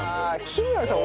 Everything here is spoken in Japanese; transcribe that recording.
日村さん